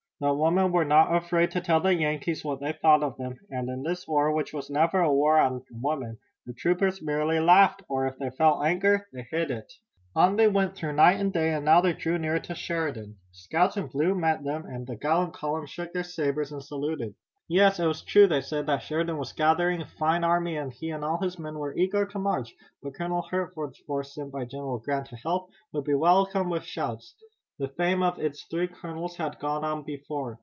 The women were not afraid to tell the Yankees what they thought of them, and in this war which was never a war on women the troopers merely laughed, or, if they felt anger, they hid it. On they went through night and day, and now they drew near to Sheridan. Scouts in blue met them and the gallant column shook their sabers and saluted. Yes, it was true, they said, that Sheridan was gathering a fine army and he and all of his men were eager to march, but Colonel Hertford's force, sent by General Grant to help, would be welcomed with shouts. The fame of its three colonels had gone on before.